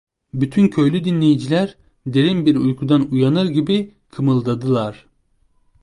Bütün köylü dinleyiciler, derin bir uykudan uyanır gibi kımıldadılar.